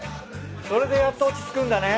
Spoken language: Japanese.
それでやっと落ち着くんだね。